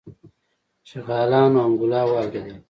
شغالانو انګولا واورېدله.